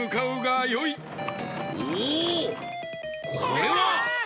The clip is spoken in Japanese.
これは！